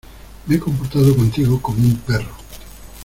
me he comportado contigo como un perro.